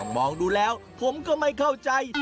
มองดูแล้วผมก็ไม่เข้าใจ